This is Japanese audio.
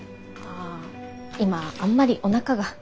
あ今あんまりおなかが。